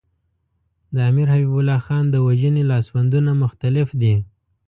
د امیر حبیب الله خان د وژنې لاسوندونه مختلف دي.